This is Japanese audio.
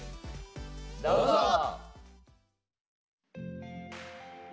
どうぞ！